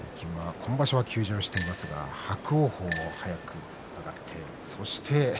今場所は休場していますが伯桜鵬も上がって。